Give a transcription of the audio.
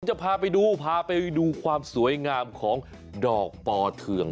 จะพาไปดูพาไปดูความสวยงามของดอกปอเทือง